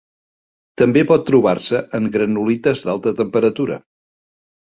També pot trobar-se en granulites d'alta temperatura.